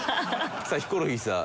さあヒコロヒーさん。